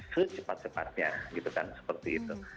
secepat cepatnya gitu kan seperti itu